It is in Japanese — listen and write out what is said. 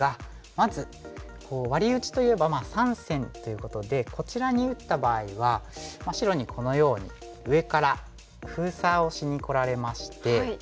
まずワリ打ちといえば３線ということでこちらに打った場合は白にこのように上から封鎖をしにこられまして。